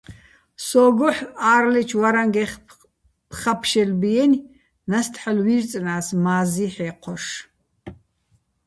სო́გოჰ̦ ა́რლეჩო̆ ვარანგეხ ფხა ფშელბიენი̆, ნასტ ჰ̦ალო̆ ვი́რწნა́ს, მა́ზი ჰ̦ე́ჴოშ.